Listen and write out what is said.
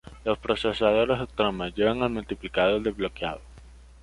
Los procesadores "Extreme" llevan el multiplicador desbloqueado.